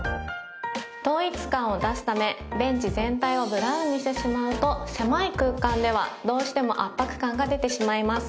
統一感を出すためベンチ全体をブラウンにしてしまうと狭い空間ではどうしても圧迫感が出てしまいます。